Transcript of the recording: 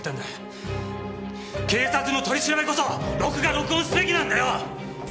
警察の取り調べこそ録画録音すべきなんだよ！